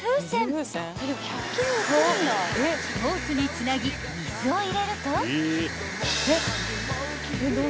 ［ホースにつなぎ水を入れると］